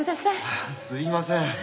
あっすいません。